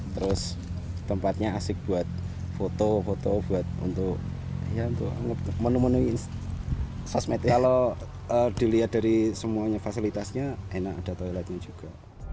terus tempatnya asik buat foto foto untuk menemui kalau dilihat dari semuanya fasilitasnya enak ada toiletnya juga